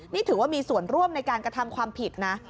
นี่ถือว่ามีส่วนร่วมในการกระทำความผิดนะ